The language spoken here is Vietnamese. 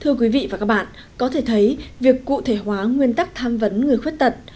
thưa quý vị và các bạn có thể thấy việc cụ thể hóa nguyên tắc tham vấn người khuyết tật